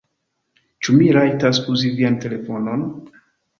Ĉu mi rajtas uzi vian telefonon?